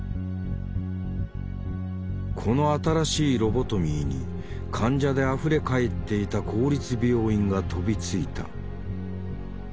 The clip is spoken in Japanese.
この新しいロボトミーに患者であふれ返っていた公立病院が飛びついた。